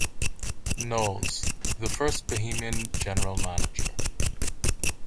Knowles, the first Bahamian General Manager.